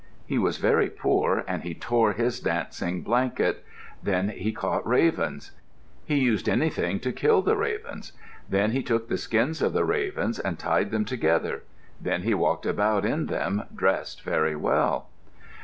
He was very poor and he tore his dancing blanket. Then he caught ravens. He used anything to kill the ravens. Then he took the skins of the ravens and tied them together. Then he walked about in them, dressed very well.